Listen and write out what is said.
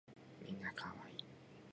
みんな可愛い